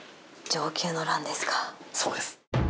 そうです。